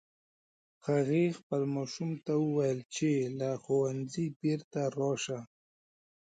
هغې خپل ماشوم ته وویل چې له ښوونځي بیرته راشه